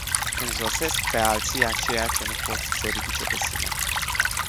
Înjosesc pe alții aceia care nu pot să se ridice pe sine.